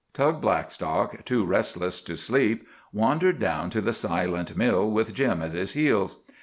Tug Blackstock, too restless to sleep, wandered down to the silent mill with Jim at his heels.